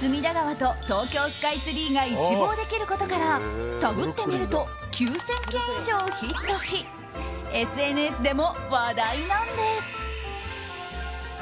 隅田川と東京スカイツリーが一望できることからタグってみると９０００件以上ヒットしＳＮＳでも話題なんです。